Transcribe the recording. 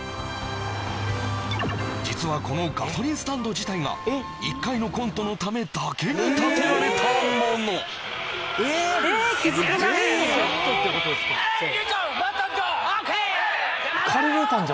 実はこのガソリンスタンド自体が１回のコントのためだけに建てられたものえー気づかない兄ちゃん満タン！